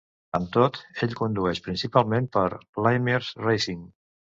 Amb tot, ell condueix principalment per Lamers Racing.